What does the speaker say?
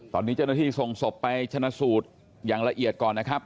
ตอนนี้เจ้าหน้าที่ส่งศพไปชนะสูตรอย่างละเอียดก่อนนะครับ